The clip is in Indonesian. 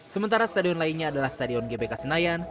sementara stadion lainnya adalah stadion gbk senayan